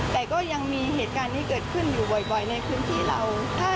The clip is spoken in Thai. แต่ก็ยังมีเหตุการณ์นี้เกิดขึ้นอยู่บ่อยในพื้นที่เรา